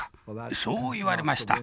そう言われました。